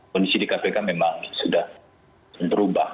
kondisi di kpk memang sudah berubah